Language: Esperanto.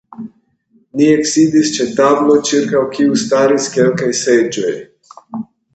Ni eksidis ĉe tablo, ĉirkaŭ kiu staris kelkaj seĝoj.